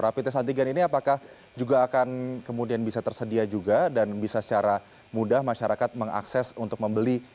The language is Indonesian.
rapi tes antigen ini apakah juga akan kemudian bisa tersedia juga dan bisa secara mudah masyarakat mengakses untuk membeli